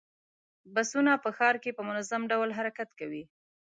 بسونه په ښار کې په منظم ډول حرکت کوي.